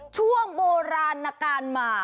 ช่วงโบราณการมา